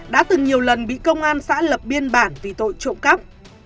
đã từng nhiều lần bị công an xã lập biên bản vì tội trộm cắp